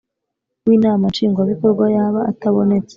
w Inama Nshingwabikorwa yaba atabonetse